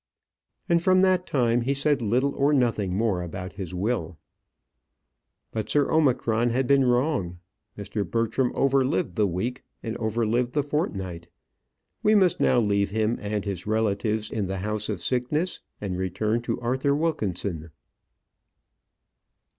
And from that time he said little or nothing more about his will. But Sir Omicron had been wrong. Mr. Bertram overlived the week, and overlived the fortnight. We must now leave him and his relatives in the house of sickness, and return to Arthur Wilkinson.